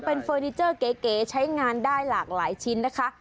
เป็นเฟอร์นิเจอร์เก๋ใช้งานได้หลากหลายชิ้นนะคะ